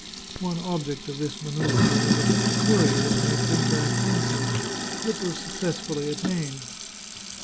One object of this mancEuvre was that the couriers might bring back answers. It was successfully attained.